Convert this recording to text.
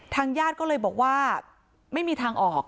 ญาติก็เลยบอกว่าไม่มีทางออก